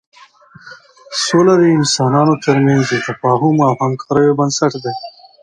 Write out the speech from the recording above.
سوله د انسانانو تر منځ د تفاهم او همکاریو بنسټ دی.